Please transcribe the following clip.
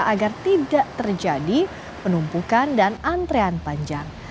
agar tidak terjadi penumpukan dan antrean panjang